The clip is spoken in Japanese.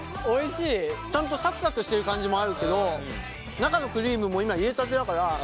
ちゃんとサクサクしてる感じもあるけど中のクリームも今入れたてだから。